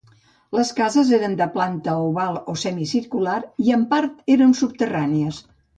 Les cases eren de planta oval o semicircular i en part eren subterrànies.